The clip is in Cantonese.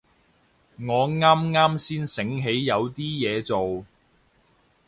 我啱啱先醒起有啲嘢做